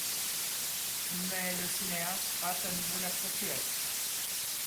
Mais le cinéaste rate à nouveau la statuette.